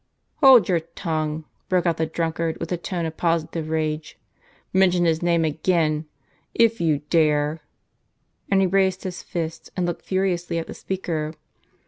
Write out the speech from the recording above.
" Hold your tongue," broke out the drunkard, with a tone of positive rage. " Mention his name again, if you dare!" And he raised his fist, and looked furiously at the speaker.